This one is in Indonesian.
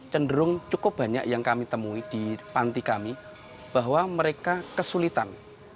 cenderung cukup banyak yang kami temui di panti kami bahwa mereka kesulitan